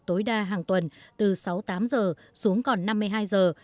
tối đa hàng tuần từ sáu mươi tám giờ xuống còn năm mươi hai giờ